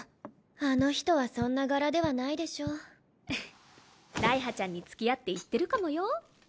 あの人はそんな柄ではないでしょうらいはちゃんに付き合って行ってるかもよ